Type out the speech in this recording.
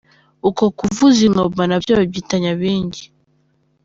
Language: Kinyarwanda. Uko kuvuza ingoma nabyo babyita Nyabinghi.